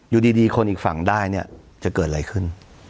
อยู่ดีคนอีกฝั่งได้เนี่ยจะเกิดอะไรขึ้น